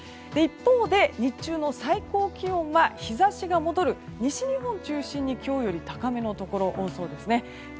一方で日中の最高気温は日差しが戻る西日本を中心に今日より高めのところが多そうです。